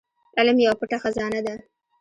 علم يوه پټه خزانه ده.